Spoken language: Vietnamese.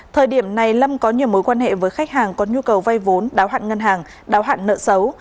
thời điểm này lâm có nhiều mối quan hệ với khách hàng có nhu cầu vay vốn đáo hạn ngân hàng đáo hạn nợ xấu